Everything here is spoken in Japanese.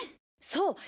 そう！